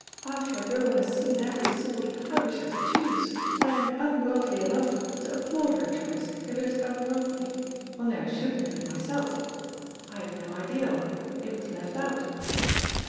After a girl has seen every sort, I wish her to choose, and I am unworldly enough to applaud her choice, if it is unworldly; only I shouldn't do it myself. I have no ideal; it was left out."